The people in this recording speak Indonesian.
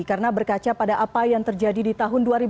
karena berkaca pada apa yang terjadi di tempat ini